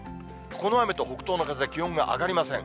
この雨と北東の風で、気温が上がりません。